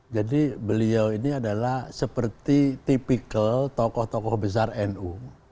jadi beliau ini adalah seperti tipikal tokoh tokoh besar nu